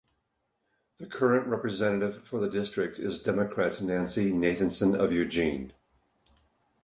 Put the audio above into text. The current representative for the district is Democrat Nancy Nathanson of Eugene.